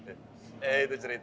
ya itu ceritanya